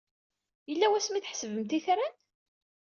Yella wasmi ay tḥesbemt itran?